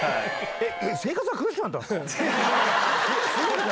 えっ！